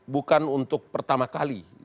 bukan untuk pertama kali